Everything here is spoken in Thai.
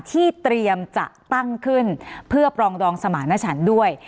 ที่เตรียมจะตั้งขึ้นเพื่อปรองดองสมารณชันด้วย